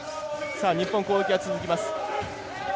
日本、攻撃が続きます。